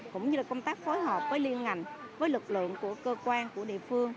cũng như là công tác phối hợp với liên ngành với lực lượng của cơ quan của địa phương